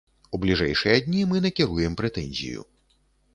У бліжэйшыя дні мы накіруем прэтэнзію.